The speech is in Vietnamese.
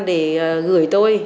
để gửi tôi